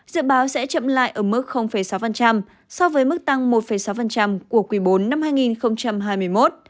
dự báo sẽ chậm lại ở mức sáu so với mức tăng một sáu của quý bốn năm hai nghìn hai mươi một